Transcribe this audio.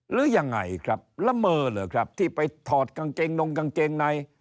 หรือยังไงครับละเมอเหรอครับที่ไปถอดกางเกงนงกางเกงใน